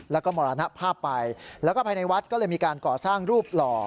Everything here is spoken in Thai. แล้วก็มรณภาพไปแล้วก็ภายในวัดก็เลยมีการก่อสร้างรูปหล่อ